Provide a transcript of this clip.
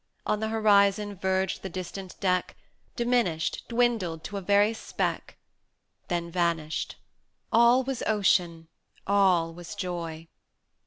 On the horizon verged the distant deck, Diminished, dwindled to a very speck Then vanished. All was Ocean, all was Joy!